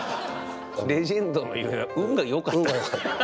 レジェンドのゆえんは運がよかった。